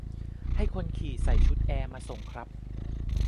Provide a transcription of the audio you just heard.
ให้คนขี่ใส่ชุดแอร์มาส่งครับ